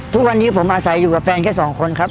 ทุกวันนี้ผมอาศัยอยู่กับแฟนแค่สองคนครับ